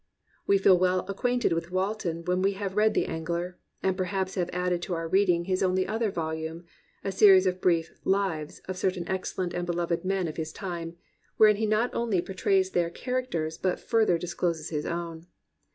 We feel well acquainted with Walton when we have read the Angler^ and perhaps have added to our reading his only other volume, — a series of brief Lives of certain excellent and beloved men of his time, wherein he not only portrays their characters but further discloses his own.